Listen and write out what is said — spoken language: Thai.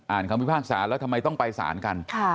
คำพิพากษาแล้วทำไมต้องไปสารกัน